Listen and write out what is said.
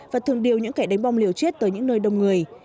và thường điều những kẻ đánh bom liều chết tới những nơi đông người